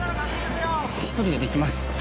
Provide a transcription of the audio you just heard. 一人でできます。